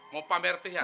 mau pamer perhiasan